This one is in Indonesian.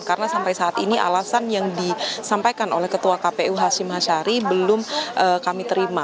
karena sampai saat ini alasan yang disampaikan oleh ketua kpu hashim hashari belum kami terima